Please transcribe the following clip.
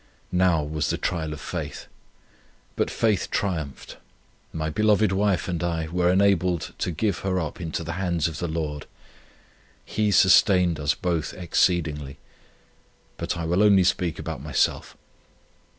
Now was the trial of faith. But faith triumphed. My beloved wife and I were enabled to give her up into the hands of the Lord. He sustained us both exceedingly. But I will only speak about myself.